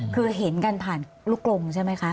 คือเห็นกันผ่านลูกกลงใช่ไหมคะ